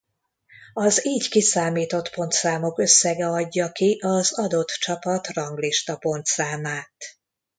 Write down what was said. Az így kiszámított pontszámok összege adja ki az adott csapat ranglista pontszámát.